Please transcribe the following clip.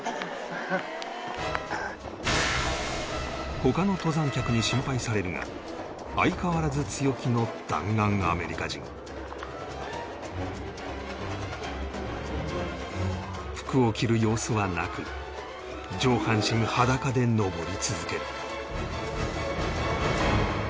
他の登山客に心配されるが相変わらず服を着る様子はなく上半身裸で登り続ける